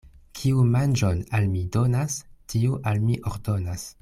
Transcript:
Kiu manĝon al mi donas, tiu al mi ordonas.